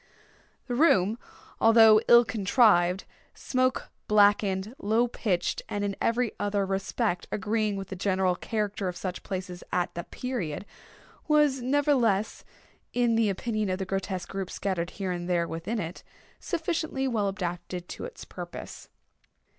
The room, although ill contrived, smoke blackened, low pitched, and in every other respect agreeing with the general character of such places at the period—was, nevertheless, in the opinion of the grotesque groups scattered here and there within it, sufficiently well adapted to its purpose.